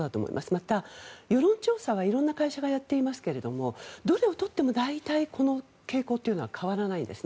また、世論調査は色んな会社がやっていますけれどどれをとっても大体この傾向というのは変わらないです。